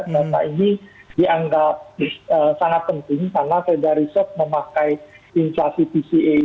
nah ini dianggap sangat penting karena fed dari sos memakai inflasi tca ini